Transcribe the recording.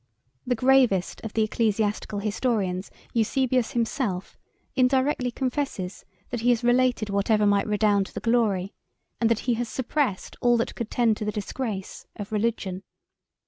The gravest of the ecclesiastical historians, Eusebius himself, indirectly confesses, that he has related whatever might redound to the glory, and that he has suppressed all that could tend to the disgrace, of religion.